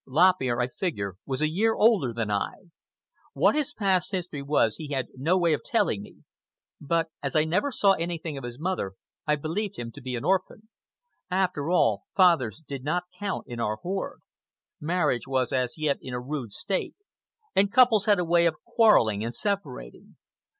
Lop Ear, I figure, was a year older than I. What his past history was he had no way of telling me, but as I never saw anything of his mother I believed him to be an orphan. After all, fathers did not count in our horde. Marriage was as yet in a rude state, and couples had a way of quarrelling and separating.